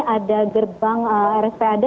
ada gerbang rs pad